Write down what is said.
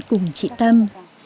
cùng chị tâm